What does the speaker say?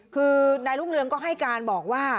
คือนายรุ่งเรืองก็ให้การบอกว่า